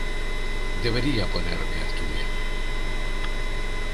Debería ponerme a estudiar.